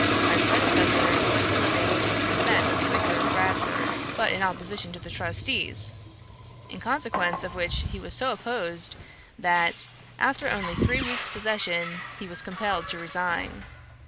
My predecessor took the living with the consent of the Vicar of Bradford, but in opposition to the trustees; in consequence of which he was so opposed that, after only three weeks' possession, he was compelled to resign."